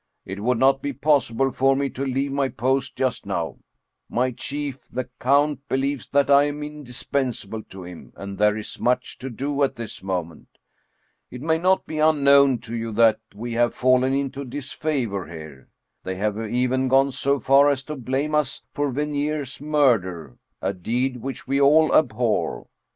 It would not be possible for me to leave my post just now. My chief, the count, be lieves that I am indispensable to him, and there is much to do at this moment. It may not be unknown to you that we have fallen into disfavor here. They have even gone so far as to blame us for Venier's murder, a deed which we all abhor